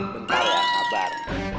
bentar ya kabar